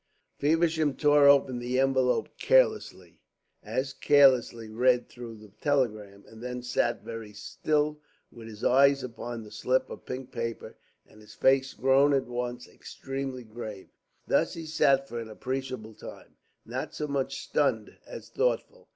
Feversham tore open the envelope carelessly, as carelessly read through the telegram, and then sat very still, with his eyes upon the slip of pink paper and his face grown at once extremely grave. Thus he sat for an appreciable time, not so much stunned as thoughtful.